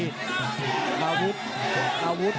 ปฏิลัทปฏิลัท